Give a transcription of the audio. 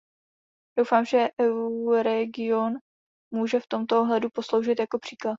Doufám, že Euregion může v tomto ohledu posloužit jako příklad.